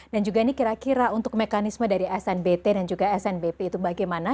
dan juga ini kira kira untuk mekanisme dari snbt dan juga snbp itu bagaimana